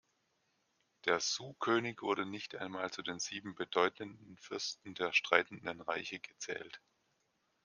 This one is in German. Der Zhou-König wurde nicht einmal zu den sieben bedeutenden Fürsten der streitenden Reiche gezählt.